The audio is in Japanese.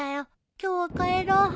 今日は帰ろう。